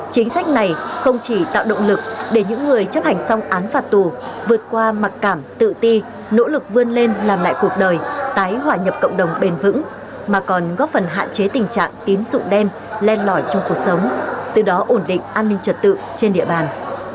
chính sách này không chỉ tạo động lực để những người chấp hành xong án phạt tù vượt qua mặc cảm tự ti nỗ lực vươn lên làm lại cuộc đời tái hỏa nhập cộng đồng bền vững mà còn góp phần hạn chế tình trạng tín dụng đen len lỏi trong cuộc sống từ đó ổn định an ninh trật tự trên địa bàn